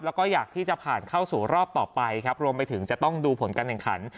แล้วก็อยากที่จะผ่านเข้าสู่รอบต่อไปครับรวมไปถึงจะต้องดูผลการแข่งขัน